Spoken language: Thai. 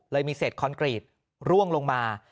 มีเศษคอนกรีตร่วงลงมา